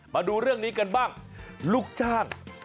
มาดูเรื่องนี้กันบ้างลูกจ้างผมเข้าใจนะ